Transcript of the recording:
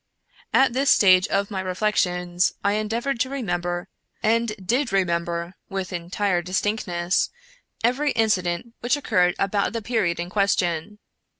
" At this stage of my reflections I endeavored to remem ber, and did remember, with entire distinctness, every in cident which occurred about the period in question.